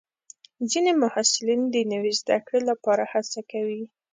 ځینې محصلین د نوي زده کړې لپاره هڅه کوي.